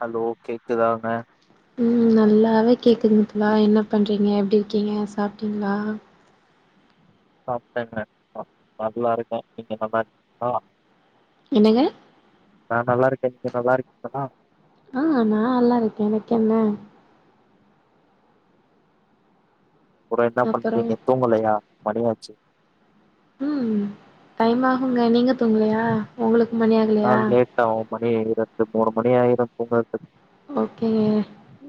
Hello கேக்குதாங்க ம் நல்லாவே கேக்குதுங்க தோழா என்ன பண்றீங்க எப்டி இருக்கீங்க சாப்ட்டிங்களா சாப்ட்டேங்க நா நல்லா இருக்கே நீங்க நல்லா இருக்கீங்ளா என்னங்க நா நல்லா இருக்கே நீங்க நல்லா இருக்கீங்ளா ஆ நா நல்லா இருக்கே எனக்கென்ன அப்புறோ என்ன அப்பறோ பண்றீங்க தூங்கலையா மணியாச்சு ம் டைம் ஆகுங்க நீங்க தூங்கலையா உங்களுக்கு மணி ஆகலையா ட்டௌ மணி ரெண்டு மூனு மணி ஆயிரு தூங்கறதுக்கு ஓக்கே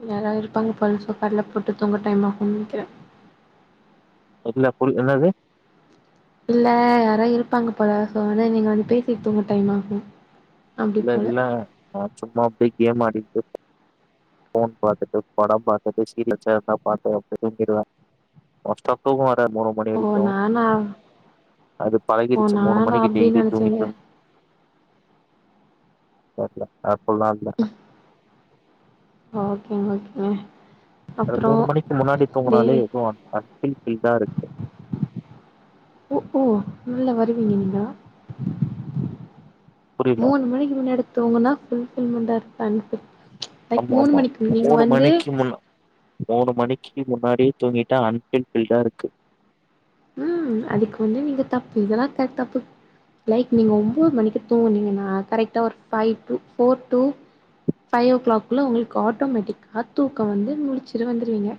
யாரா இருப்பாங்க பழசோ கடையில போட்டு தூங்க டைம் ஆகும்னு நெனைக்கிறே என்ன புரி என்ன அது இல்ல யாரோ இருப்பாங்க போல சோ ஆனா நீங்க வந்து பேசிட்டு தூங்க டைம் ஆகும் இல்ல இல்லங்க நா சும்மா அப்டியே கேம் ஆடிட்டு ஃபோன் பாத்துட்டு படம் பாத்துட்டு சீரியல்ஸ் இருந்தா பாத்துட்டு அப்டியே தூங்கிடுவே மோஸ்ட்டா தூக்கம் வராது மூனு மணி ஓ வரைக்கும் நானா அது ஓ பழகிருச்சு மூணு நானா மணிக்கு அப்டின் டெய்லியு தூங்கி நெனச்சேங்க தூங்கி பாப்பியா அப்பில்லா இல்ல ஓக்கேங்க ஓக்கேங்க அது மூணு மணிக்கு முன்னாடி டே தூங்குனாலே எதுவு அன் அன்ஃபில்டா இருக்கு உ ஊ நல்லா வருவீங்க நீங்க புரில மூணு மணிக்கு முன்னாடி தூங்குனா புல்ஃபில்மண்டா இருப்ப அன்ஃபிட் ஆமா ஆமா மூணு மணிக்கு முன்ன மூணு மணிக்கு முன்னாடியே தூங்கிட்டா அன்ஃபுல்ஃபில்டா இருக்கு ம் அதுக்கு வந்து நீங்க தப்பு இதெல்லா கெ தப்பு லைக் நீங்க ஒம்போது மணிக்கு தூங்குனீங்கனா கரெக்டா ஒரு five to four to five ஓ கிளாக்குல்ல உங்களுக்கு ஆட்டோமேட்டிக்கா தூக்க வந்து முழிச்சுட்டு வந்துருவீங்க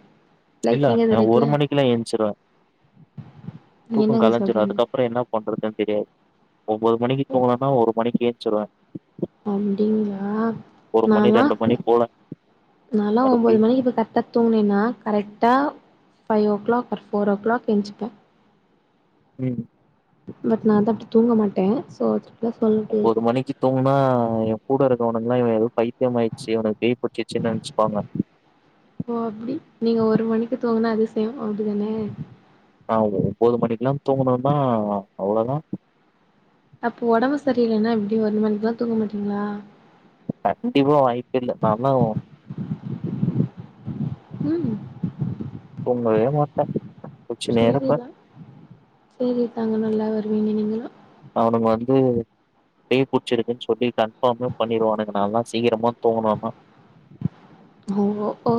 இல்ல லைக் நீங்க நா அது ஒரு ரெகுலர் மணிக்குலா எந்ச்சிருவே தூக்கொ என்னங்க கலஞ்சிரோ சொல்றீங்க அதுக்கப்புற என்ன பண்றதுன்னு தெரியாது ஒன்பது மணிக்கு தூங்குணாதா ஒரு மணிக்கு ஏந்ச்சுருவே அப்டிங்களா ஒரு மணி நானா ரெண்டு மணி போல நால்லா மறுபடி ஒன்பது மணிக்கு இப்ப க ட்டா தூங்கின்னா கரெக்டா five o'clock or four o'clock எஞ்சிப்பே ம் பட் நா வந்து அப்டி தூங்க மாட்டே சோ இப்போ ஒரு மணிக்கு தூங்குனா எ கூட இருக்கவனுங்க்கெல்லா இவ ஏதோ பைத் அதிகமாயிச்சு இவனுக்கு பேய் புடிச்சிருச்சி நெனச்சிப்பாங்க ஓ அப்டி நீங்க ஒரு மணிக்கு தூங்குனா அதிசயு அப்டிதானே ஆ ஒம்போது மணிக்குல்லா தூங்கணுனா அவ்ளோதா அப்போ ஒடம்பு சரியில்லைன்னா எப்டி ஒரு மணக்குலா தூங்க மாட்டீங்களா கண்டிப்பா வாய்ப்பில்ல இருந்தாலு ம் தூங்கவே மாட்டே முழிச்சுனே இருப்பே சேரிதா சேரி தாங்க நல்லா வருவீங்க நீங்களு அவனுங்க வந்து பேய் புடிச்சிருக்குன்னு சொல்லி கன்ஃபார்மே பண்ணினுவானுக்கு நா எல்லா சீக்கிரமா தூங்குனாதா ஓ ஓ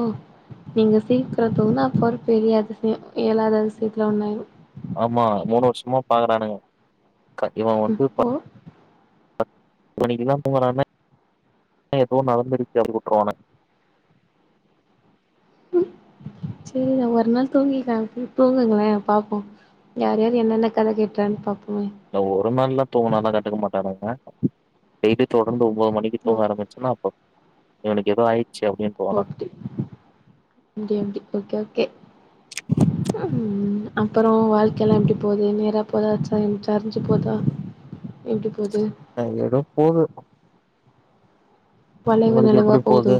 நீங்க சீக்கிர தூங்குன்னா அப்பற அது பெரிய அதிசய ஏழாவது அதிசயத்துல ஒண்ணு ஆயிரு ஆமா மூணு வருஷமா பாக்குறானுங்க க இவ வந்து ப ஓ! ப மணிக்கெல்லா தூங்குனா தா எதோ நடந்துருக்கு அப்டின்னு விட்ருவானுங்க சேரி நா ஒரு நாள் தூங்கிகுறே அப்டி தூங்குங்களே பாப்போ யார் யார் என்னென்ன கத கட்றான்னு பாப்பமே இந்த ஒரு நாள்லா தூங்குனால்லா கண்டுக்க மாட்டாங்க டெய்லி தொடர்ந்து ஒன்பது மணிக்கு ஓ தூங்க ஆரம்பி ச்சன்னா அப்ப இவனுக்கு ஏதோ ஆயிடுச்சு அப்டின் போட்டி இப்டி இப்டி ஓகே ஓகே [unintelligible] ம் அப்புறோ வாழ்க்க எல்லா எப்டி போது நேரா போதா ச சரிஞ்சு போதா எப்டி போது ஆ ஏதோ போது வளைவு உங்களுக்கு நெளிவா எப்டி போவுதோ போது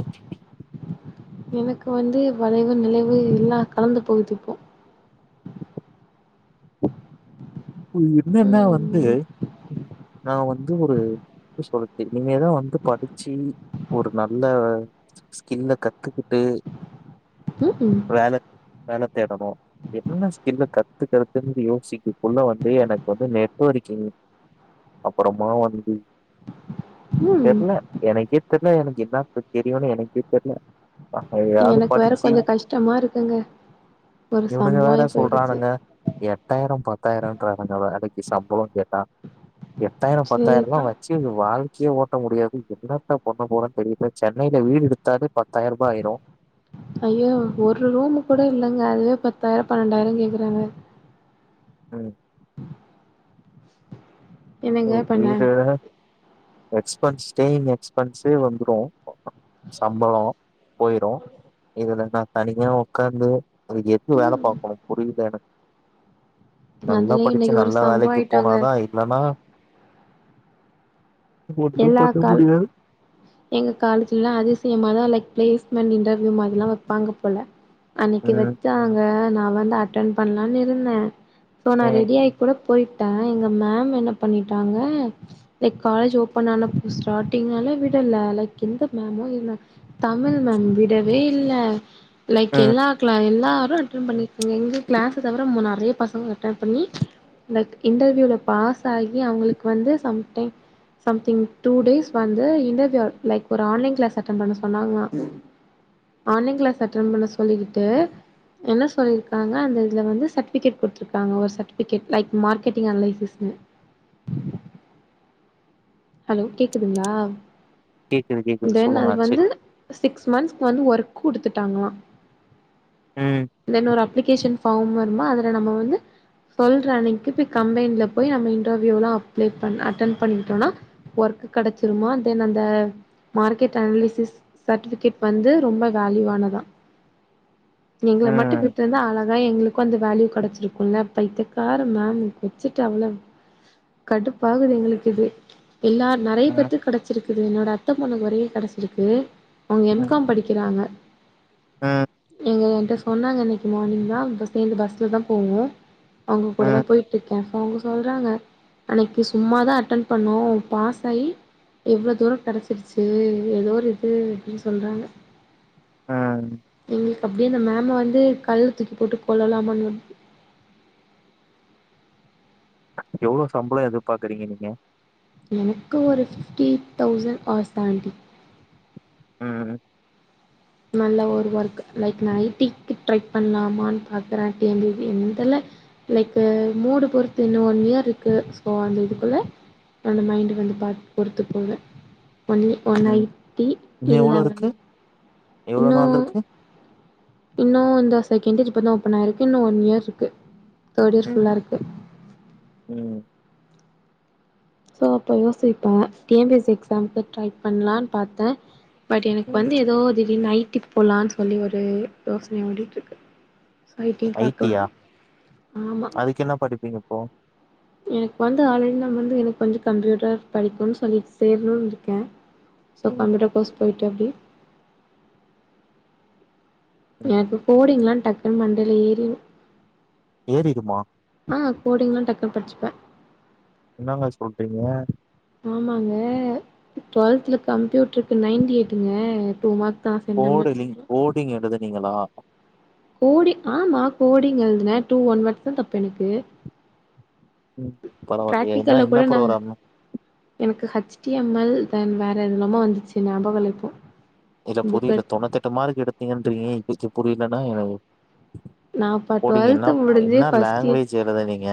எனக்கு வந்து வளைவு நெளிவு எல்லா கலந்து போகுது இப்போ ம் என்னன்னா வந்து ம் நா வந்து ஒரு என்ன சொல்றது இனிமே தா வந்து படிச்சு ஒரு நல்ல ஸ்கில்ல கத்துக்கிட்டு ம் ம் வேல வேல தேடணு என்ன ஸ்கில்ல கத்துகறதுன் யோசிக்க உள்ள வந்து எனக்கு வந்து நெட்டுவொர்க்கிங் அப்புறமா வந்து ம் தெரில எனக்கே தெரில எனக்கு என்னா தெரியுனு எனக்கே தெர்ல அப்டியாவது எனக்கு வேற படிச்சு கொஞ்சோ கஷ்டமா இருக்குங்க ஒரு இவனுங்க சம்பவோ வேற ஆயி போயிடுச்சு சொல்றானுங்க எட்டாயிரம் பத்தாயிரம்ன்றானுங்க இந்த வேலைக்கு சம்பளம் கேட்டா எட்டாயிரம் சேரிதா பத்தாயிரல்லாம் வச்சு வாழ்க்கையே ஓட்ட முடியாது என்னத்த பண்ண போறேன்னு தெரியல சென்னைல வீடு எடுத்தாலே பத்தாயிரம் ரூபா ஆயிரும் ஐயோ ஒரு ரூமு கூட இல்லைங்க அதுவே பத்தாயிரம் பன்னெண்டாயிரம் கேக்குறானுங்க ம் [inaudible] என்னங்க பண்ண வீடு எக்ஸ்பென்ஸ் ஸ்டேயிங் எக்ஸ்பென்ஸே வந்துரும் சம்பளொ போயிரும் இதுல நா தனியா உக்காந்து எதுக்கு வேல ம். பாக்கணு புரியல எனக்கு நல்லா அதுலயும் படிச்சு இன்னைக்கு ஒரு நல்ல சம்பவம் வேலைக்கு ஆயிட்டோங்க. போனாதா இல்லன்னா ஒன்னு எல்லா பண்ண கால் முடியாது எங்க காலேஜ்ல அதிசயமா தா லைக் பிளேஸ்மெண்ட் இன்டர்வியூ மாதிரில்லா வைப்பாங்க போல அன்னைக்கு ம் வச்சாங்க நான் வந்து அட்டன் பண்லான்னு இருந்தேன் சோ நான் ம் ரெடி ஆயி கூட போயிட்டே எங்க மேம் என்ன பண்ணிட்டாங்க லைக் காலேஜ் ஓப் பனான ஸ்டார்ட்டிங்னால விடல லைக் எந்த மேமு இல்ல தமிழ் மேம் விடவே இல்ல லைக் ம் எல்லா க்ல எல்லாரு அட்டன் பண்ணிருக்கீங்க எங்க கிளாஸ் தவிர நெறைய பசங்க அட்டென் பண்ணி லைக் இன்டர்வியூல பாஸ் ஆகி அவுங்களுக்கு வந்து some time something two days வந்து இன்டர்வியூ லைக் ஒரு ஆன்லைன் கிளாஸ் அட்டன் பண்ண சொன்னாங்ளா ஆன்லைன் கிளாஸ் அட்டன் பண்ண சொல்லிட்டு என்ன சொல்லியிருக்காங்க அந்த இதுலந்து சர்டிபிகேட் கொடுத்திருக்காங்க ஒரு சர்டிபிகேட் லைக் மார்கெட்டிங் அனலைசிஸ்னு ஹலோ கேக்குதுங்களா கேக்குது கேக்குது தென் சொல்லுங்க அது செரி வந்து சிக்ஸ் மன்ஸ்க்கு வந்து ஒர்க் குடுத்துட்டாங்களா ம் தென் ஒரு அப்ளிகேஷன் ஃபார்ம் வருமா அதுல நம்ம வந்து சொல்ற அன்னைக்கு போய் கம்பெனில போய் நம்ம இன்டர்வியூலா அப்ளை பண்ண அட்டன்ட் பண்ணிட்டோன்னா ஒர்க் கெடைச்சிருமா தென் அந்த மார்க்கெட் அனலிசிஸ் சர்ட்டிஃபிகேட் வந்து ரொம்ப வேல்யூவானதா எங்கள மட்டு ம் விட்டு இருந்தா அழகா எங்களுக்கும் அந்த வேல்யூ கெடைச்சிருக்குல்ல பைத்தியக்கார மேமு வச்சிட்டு அவ்ளவு கடுப்பாகுது எங்களுக்கு இது எல்லா நெறைய ம் பேத்துக்கு கெடச்சிருக்கு என்னோட அத்த பொண்ணுக்கு வேற கெடச்சிருக்கு அவுங்க எம் ம் காம் படிக்கிறாங்க ம் நீங்க என்கிட்ட சொன்னாங்க இன்னிக்கி மார்னிங் தா சேந்து பஸ்ல தா போகனு அவுங்க கூட தா ம் போய்ட்டுருக் அப்போ அவுங்க சொல்றாங்க அன்னிக்கி சும்மாதா அட்டன் பண்ணோ பாஸ் ஆயி இவ்ளோ தூர கெடைச்சிருச்சி எதோ ஒரு இது அப்டின் சொல்றாங்க ம் எங்களுக்கு அப்டியே அந்த மேம வந்து கல்லு தூக்கி போட்டு கொல்லலாமானுருக்கு எவ்ளோ சம்பள எதிர்பாக்குறீங்க நீங்க எனக்கு ஒரு ஃபிஃப்டி தௌசண் ஆர் சவெண்டி ம் நல்ல ஒரு ஒர்க் லைக் ஐ டிக்கி ட்ரை பண்ணலாமான்னு பாக்கற டி எம் பி என்னன் தெரில லைக் மூடு பொறுத்து இன்னு ஒன் இயர் இருக்கு ஸோ அந்த இதுக்குள்ள அந்த மைண்டுக்கு வந்து பா பொறுத்து போவே ஒன்லி ஒன் ஐ ம் டி இன்னு எவ்ளோ இல்ல இருக்கு எவ்ளோ இன்னு நாள் இருக்கு இன்னு இந்த செகெண்ட் இயர் இப்ப தா ஓப்பன் ஆயிருக்கு இன்னு ஒன் இயர் இருக்கு தேர்ட் இயர் ம் ஃபுல்லா ருக்கு ம் சோ அப்போ யோசிப்பே T N P S C எக்ஸாம்க்கு ட்ரை பண்ணலான்னே பாத்தே பட் எனக்கு ம் வந்து எதோ திடீர்னு ஐடி போலான்னு சொல்லி ஒரு யோசன ஓடிட்டுருக்கு ஐடி ஐ டி பாக்கலா யா ஆமா அதுக்கு என்ன படிப்பீங்க இப்போ எனக்கு வந்து ஆல்ரெடி நா வந்து எனக்கு கொஞ்ச கம்ப்யூட்டர் புடிக்குன்னு சொல்லி சேரணுன்னு இருக்கே சோ ம் கம்பியூட்டர் கோர்ஸ் போய்ட்டு அப்டி ம் எனக்கு கோடிங்களா டக்குன்னு மண்டைல ஏறிரு ஏறிருமா ஆ கோடிங்லா டக்குனு படிச்சுப்பே என்னங்க சொல்றீங்க ஆமாங்க டுவெல்த்ல கம்ப்யூட்டருக்கு நைன்டியெய்ட்டுங்க டூ மார்க் தா சென்டம் கோடு லிங் அடிச்சிருக்கே கோடிங் எழுதினீங்களா கோடிங் ஆமா கோடிங் எழுதுனே டூ ஒன் வேட்ஸ் தா தப்பு எனக்கு உம் பரவாயில்லையே என்ன பிராக்டிக்கல்ல என்ன கூட நா ப்ரோக்ராமு எனக்கு H T M L then வேற எதுலாமோ வந்துச்சி ஞாபகோ இல்ல இப்போ இல்ல புக் புரில தொண்ணுத்தெட்டு மார்க் எடுத்தீங்கன்றீங்க இப்பிக்கி புரிலன்னா நா அப்ப கோடிங் டுவெல்த் என்னா முடிஞ்சு என்ன ஃபர்ஸ்ட் இயர் லாங்குவேஜ் எழுதினீங்க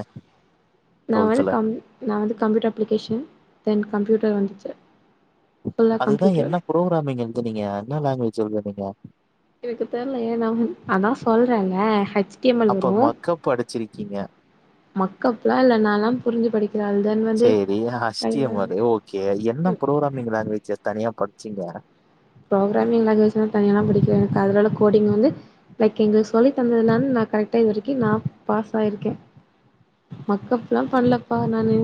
நா வந்து கம் நா வந்து கம்ப்யூட்டர் அப்ளிகேஷன் தென் கம்ப்யூட்டர் வந்துச்சு ஃபுல்லா அதுதா கம்ப்யூட்டர் என்ன ப்ரோகராமிங் எழுதுனீங்க என்ன லாங்குவேஜ் எழுதுனீங்க எனக்கு தெர்லயே ஏ நா அதா சொல்றேல ஹச் அப்போ மக்கப் படிச்சிருக்கீங்க மேக்கப்ல்லா இல்ல நால்லா புரிஞ்சு படிக்கிற ஆள் தென் வந்து கே என்ன ப்ரோகராமிங் லாங்குவேஜ் தனியா படிச்சீங்க ப்ரோக்ராமிங் லாங்குவேஜ்லா தனியால்லா படிக்கலங்க எனக்கு அதனால கோடிங் வந்து லைக் எங்களுக்கு சொல்லி தந்ததுலா நா கரெக்டா இது வரைக்கு நா பாஸ் ஆயிருக்கே மக்கப்ல்லா பண்லப்பா நானு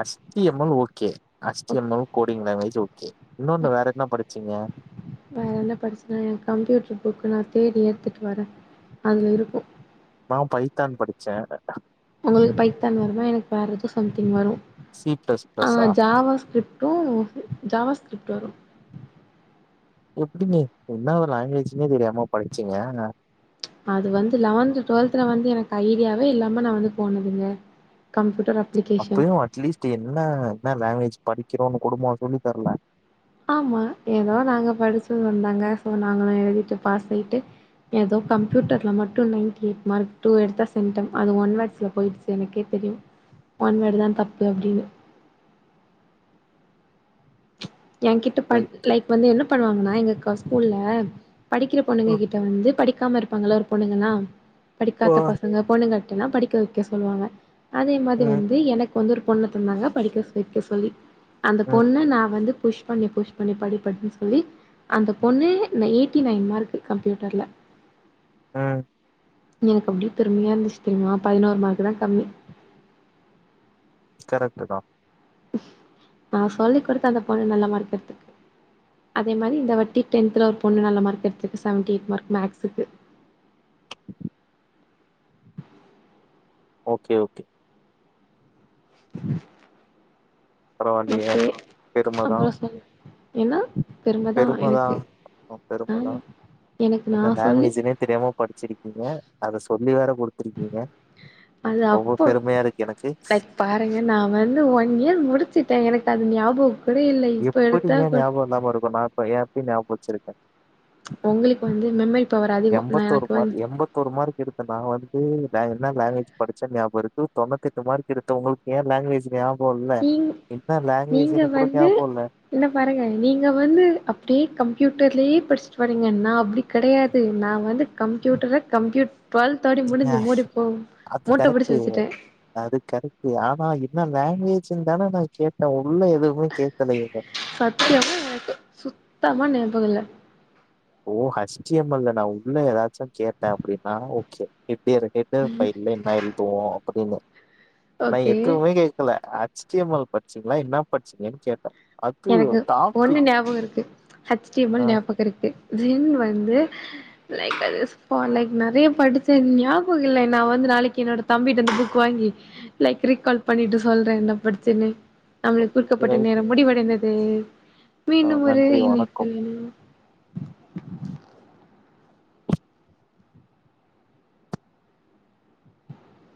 HTML okay HTML coding language okay இன்னொன்னு வேறென்ன படிச்சீங்க வேற என்ன படிச்சீங்க எ கம்ப்யூட்டரு புக்க நா தேடி எடுத்துட்டு வரே அதில இருக்கு நா பைத்தான் படிச்சே உங்களுக்கு பைத்தான் வருமா எனக்கு வேற எதோ சம்திங் வரு ஆ ஜாவா ஸ்கிரிப்ட் ட்டு ஜாவா ஸ்கிரிப்ட் வரு எப்டிங்க என்ன ஒரு லாங்குவேஜ்ன்னே தெரியாம படிச்சீங்க அது வந்து லெவன்த் டுவெல்த்ல வந்து எனக்கு ஐடியாவே இல்லாம நா வந்து போனதுங்க கம்ப்யூட்டர் அப் அப்பயு அட்லீஸ்ட் என்ன என்ன லாங்குவேஜ் படிக்கிறோன்னு கொடுமா சொல்லி தரல ஆமா ஏதோ நாங்க படிச்சோன்னு வந்தாங்க ஸோ நாங்களு எழுதிட்டு பாஸ் ஆய்ட்டு ஏதோ கம்ப்யூட்டர்ல மட்டு நைன்டி எயிட் மார்க் டூ எடுத்தா சென்டம் அது ஒன் வேர்ட்ஸ்ல போயிச்சு எனக்கே தெரியு ஒன்வேர்டு தா தப்பு அப்டின்னு எ கிட்ட ப சரி. லைக் வந்து என்ன பண்ணுவாங்கன்னா எங்க ஸ்கூல்ல படிக்கிற பொண்ணுங்க ம் கிட்ட வந்து படிக்காம இருப்பாங்கள ஒரு பொண்ணுங்கல்லா படிக்காத பசங்க பொண்ணுங்க னா படிக்க வைக்க சொல்லுவாங்க அதே மாரி ம் வந்து எனக்கு வந்து ஒரு பொண்ண தந்தாங்க படிக்க வைக்க சொல்லி அந்த ம் பொண்ணு நா வந்து புஷ் பண்ணி புஷ் பண்ணி படி படின்னு சொல்லி அந்த பொண்ணு ந எயிட்டி நைன் மார்க்கு கம்ப்யூட்டர்ல ஆ எனக்கு அப்டியே பெருமையா இருந்துச்சி தெரியுமா பதினோரு மார்க்குதா கம்மி கரெக்டுதா நா சொல்லிக் குடுத்து அந்த பொண்ணு நல்ல மார்க் எடுத்துருக்கு அதே மாரி இந்த வாட்டி டென்த்ல ஒரு பொண்ணு நல்ல மார்க் எடுத்துர்க்கு செவன்டி எயிட் மார்க் மேக்ஸுக்கு ஓகே ஓகே ம் பரவால்லியே பெருமதா அப்புறோ சொல் ஏன்னா பெருமதா எனக்கு பெருமதா ஆமா எனக்கு நா ஒங்க சொல்லி லாங்குவேஜினே தெரியாம படிச்சிருக்கீங்க அத சொல்லி வேற குடுத்துருக்கீங்க அது ரொம்ப அப்போ பெருமையாருக்கு எனக்கு லைக் பாருங்க நா வந்து ஒன் இயர் முடிச்சிட்டே எனக்கு அது ஞாபக் எப்பிடிங்க ஞாபகோ இல்லாம இருக்கு நா இப்போ ஏப்டி ஞாபகோ வச்சுருக்கே உங்களுக்கு வந்து மெமரி பவர் அதிகோ நா எனக்கு வந் தோரு மார்க் எடுத்த நா வந்து நா என்ன லாங்குவேஜ் படிச்சென் ஞாபகருக்கு தொண்ணுத்தெட்டு மார்க் எடுத்த உங்களுக் ஏ லாங்குவேஜ் ஞாபகோ இல்ல நீங் என்ன லாங்குவேஜினு கூட ஞாபகோல்ல என்ன பாருங்க நீங்க வந்து அப்டியே கம்ப்யூட்டர்லயே படிச்சிட்டு வரீங்க நா அப்டி கெடையாது நா வந்து கம்ப்யூட்டரை கம்ப்யூட் டுவெல் தோடி ஏங்க முடிஞ்சு மோடிப்போ அது மோட்ட புடிச்சி கரெக்ட்டு. வச்சிட்டே அது கரெக்டு ஆனா என்ன லாங்குவேஜின் தான நா கேட்டே உள்ள எதுவுமே கேட்கலையே [inaudible] எனக்கு சுத்தமா ஞாபகோ இல்ல ஓ ஹச் டி எம் எல் ல நா உள்ள ஏதாச்சு கேட்டே அப்டின்னா ஓகே எப்டி எரக்கேட்டு பைல்ல என்னா எழுதுவோ அப்பிடின்னு நா ஓகே எதுவுமே கேக் கலே ஹச் டி எம் எல் படிச்சிங்ளா என்னா படிச்சீங்கன் எனக்கு ஒண்ணு ஞாபகோ இருக்கு ஹச் டி எம் ஆ எல் ஞாபகோ இருக்கு ஜின் வந்து லைக் அது போ அன்னைக் நெறயா படிச்சே ஞாபகோ இல்லை நா வந்து நாளைக்கி என்னோட தம்பிட்டந்து புக் வாங்கி லைக் ரீக்கால் பண்ணிட்டு சொல்றே என்ன படிச்சன்னு நம்மளுக் இது குடுக்கப்பட்ட நேரோ ரைட். முடிவடைந்தது ஆ மீண்டும் ஒரு நன்றி வணக்கம். இணைப்பில்